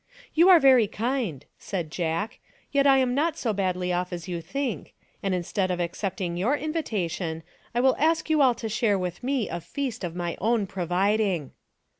" You are very kind," said Jack, " yet I am not so badly off as you think, and instead of accepting your invitation I will ask you all to share with me a feast of my own providing."